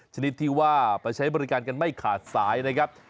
ชนิดที่ว่าไปใช้บริการกันไม่ขาดสายนะครับ